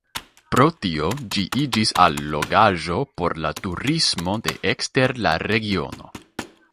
Pro tio ĝi iĝis allogaĵo por la turismo de ekster la regiono.